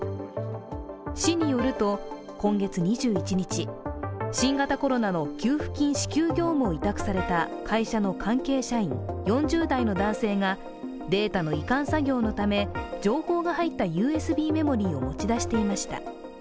市によると、今月２１日新型コロナの給付金支給業務を委託された会社の関係社員、４０代の男性がデータの移管作業のため情報が入ったＵＳＢメモリーを持ち出していました。